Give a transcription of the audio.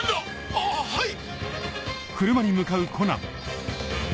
あっはい！